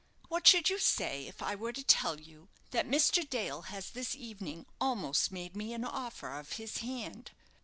What should you say if I were to tell you that Mr. Dale has this evening almost made me an offer of his hand?"